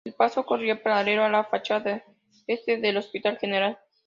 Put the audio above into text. El paso corría paralelo a la fachada este del Hospital General.